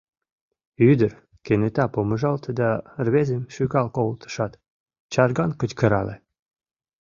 Ӱдыр кенета помыжалте да рвезым шӱкал колтышат, чарган кычкырале: